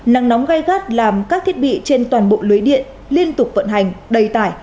nắng nóng gai gắt làm các thiết bị trên toàn bộ lưới điện liên tục vận hành đầy tải